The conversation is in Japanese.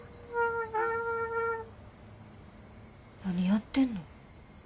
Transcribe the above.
何やってんの？